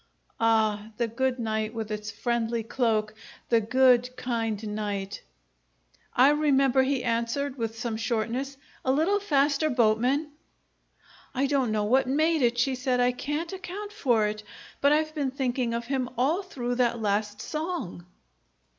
Ah, the good night, with its friendly cloak! The good, kind night! "I remember," he answered, with some shortness. "A little faster, boatman!" "I don't know what made it," she said, "I can't account for it, but I've been thinking of him all through that last song."